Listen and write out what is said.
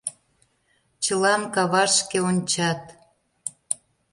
Чылан кавашке ончат.